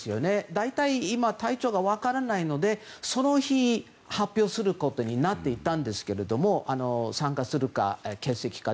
大体、体調が分からないのでその日、発表することになっていたんですけれども参加するか、欠席か。